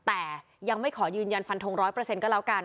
เพราะว่าพ่อมีสองอารมณ์ความรู้สึกดีใจที่เจอพ่อแล้ว